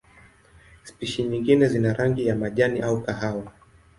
Spishi nyingine zina rangi ya majani au kahawa.